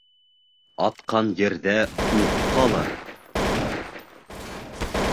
Атҡан ерҙә уҡ ҡалыр